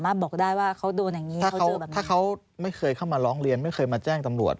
เราลองเรียนไม่เคยมาแจ้งตำรวจ